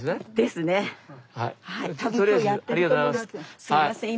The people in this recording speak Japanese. すいません。